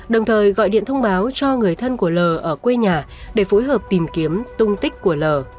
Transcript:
đồng thời gọi điện thông báo cho người thân của l ở quê nhà để phối hợp tìm kiếm tung tích của l